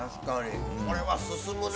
◆これは進むね。